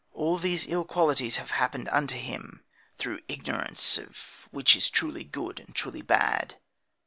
All these ill qualities have happened unto him, through ignorance of that which is truly good and truly bad.